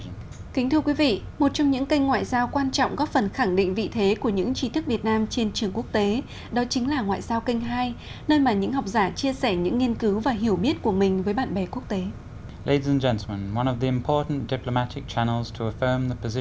những kênh ngoại giao quan trọng góp phần khẳng định vị thế của những trí thức việt nam trên trường quốc tế đó chính là ngoại giao kênh hai nơi mà những học giả chia sẻ những nghiên cứu và hiểu biết của mình với bạn bè quốc tế